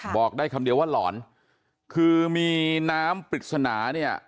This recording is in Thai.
บอกได้คำเดียวว่าหลอนคือมีน้ำปริศนาเนี่ย